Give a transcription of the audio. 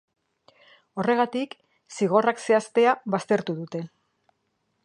Horregatik, zigorrak zehaztea baztertu dute.